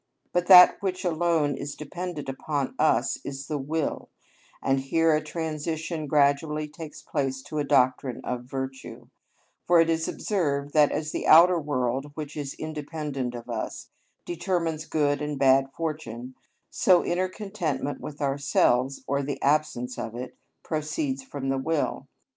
But that which alone is dependent upon us is the will; and here a transition gradually takes place to a doctrine of virtue, for it is observed that as the outer world, which is independent of us, determines good and bad fortune, so inner contentment with ourselves, or the absence of it, proceeds from the will.